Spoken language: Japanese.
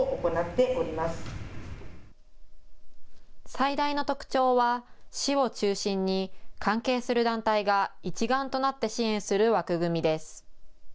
最大の特徴は市を中心に関係する団体が一丸となって支援する枠組みです。